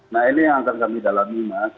nah ini yang akan kami dalami mas